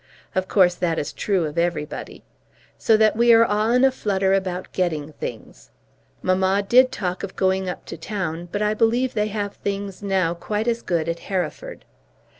Of course that is true of everybody. So that we are all in a flutter about getting things. Mamma did talk of going up to town, but I believe they have things now quite as good at Hereford.